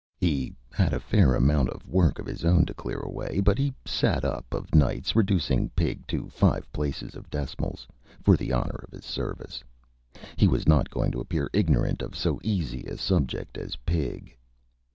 He had a fair amount of work of his own to clear away; but he sat up of nights reducing Pig to five places of decimals for the honor of his Service. He was not going to appear ignorant of so easy a subject as Pig.